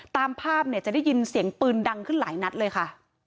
ตามภาพเนี่ยจะได้ยินเสียงปืนดังขึ้นหลายนัดเลยค่ะ